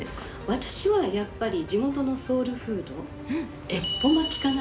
私はやっぱり地元のソウルフード鉄砲巻きかな。